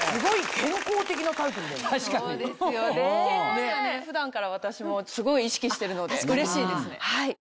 健康には普段から私もすごい意識してるのでうれしいですね。